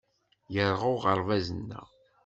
Yerɣa uɣerbaz-nneɣ.